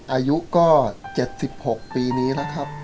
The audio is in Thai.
อายุก็๗๖ปีนี้นะครับ